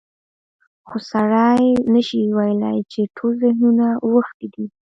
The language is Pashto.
خو سړی نشي ویلی چې ټول ذهنیتونه اوښتي دي.